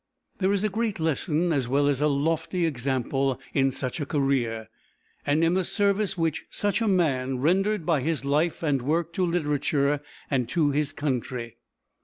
There is a great lesson as well as a lofty example in such a career, and in the service which such a man rendered by his life and work to literature and to his country.